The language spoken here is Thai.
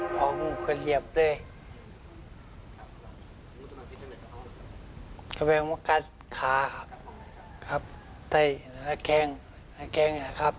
ก็เพิ่งมากัดขาครับใส่ระแกงระแกงนะครับ